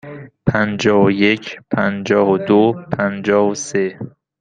پنجاه و یک، پنجاه و دو، پنجاه و سه.